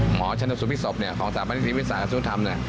หมอชันตสุพิศพของสาปนิตธิวิทศาสตร์กับสู้ธรรม